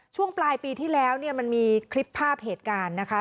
ช่วงปลายปีที่แล้วเนี่ยมันมีคลิปภาพเหตุการณ์นะคะ